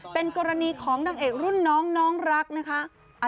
เป็นกรณีของนางเอกรุ่นน้องน้องรักนะคะ